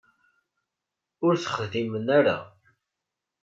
Ur t-texdimen ara.